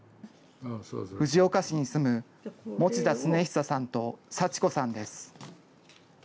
藤岡市に住む、持田亘久さんと祥子さんです。